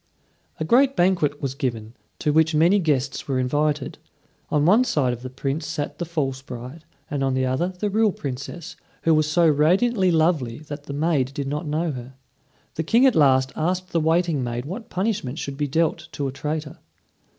A great banquet was given, to which many guests were invited. On one side of the Prince sat the false bride, and on the other the real Princess, who was so radiantly lovely that the maid did not know her. The King at last asked the waiting maid what punishment should be dealt to a traitor.